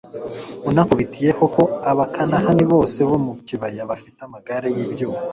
unakubitiyeho ko abakanahani bose bo mu kibaya bafite amagare y'ibyuma